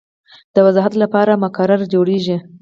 د وضاحت لپاره مقرره جوړیږي.